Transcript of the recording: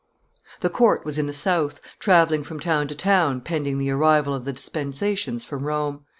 The court was in the South, travelling from town to town, pending the arrival of the dispensations from Rome.